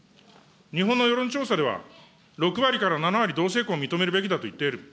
日本の世論調査では、６割から７割、同性婚を認めるべきだといっている。